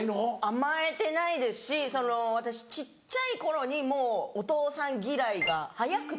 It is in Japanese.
甘えてないですし私小っちゃい頃にもうお父さん嫌いが早くて。